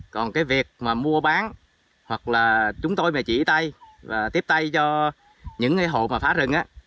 còn cái việc mà mua bán hoặc là chúng tôi mà chỉ tay và tiếp tay cho những hộ mà phá rừng á